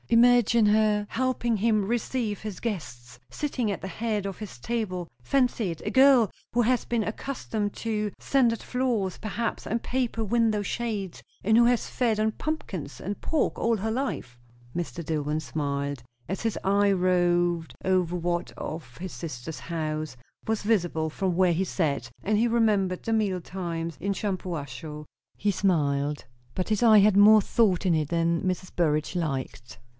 Imagine her helping him receive his guests; sitting at the head of his table. Fancy it; a girl who has been accustomed to sanded floors, perhaps, and paper window shades, and who has fed on pumpkins and pork all her life." Mr. Dillwyn smiled, as his eye roved over what of his sister's house was visible from where he sat, and he remembered the meal times in Shampuashuh; he smiled, but his eye had more thought in it than Mrs. Burrage liked.